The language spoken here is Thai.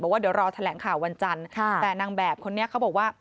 ว่าเดี๋ยวรอแถลงข่าววันจันทร์แต่นางแบบคนนี้เขาบอกว่า